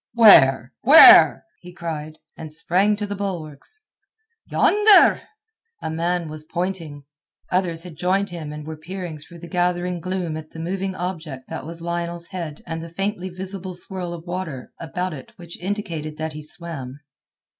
"Where? Where?" he cried, and sprang to the bulwarks. "Yonder!" A man was pointing. Others had joined him and were peering through the gathering gloom at the moving object that was Lionel's head and the faintly visible swirl of water about it which indicated that he swam.